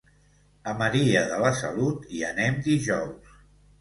A Maria de la Salut hi anem dijous.